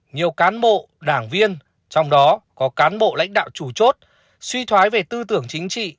nhiều cán bộ đảng viên trong đó có cán bộ lãnh đạo chủ chốt suy thoái về tư tưởng chính trị